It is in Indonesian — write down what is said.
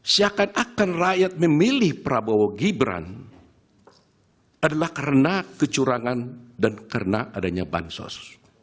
seakan akan rakyat memilih prabowo gibran adalah karena kecurangan dan karena adanya bansos